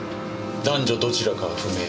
男女どちらかは不明。